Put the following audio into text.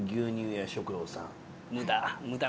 無駄。